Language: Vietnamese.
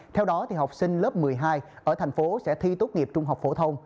theo đó học sinh lớp một mươi hai ở tp hcm sẽ thi tốt nghiệp trung học phổ thông